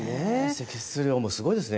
積雪量もすごいですね。